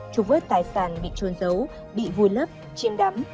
trục vớt tài sản bị trôn dấu bị vui lấp chiêm đắm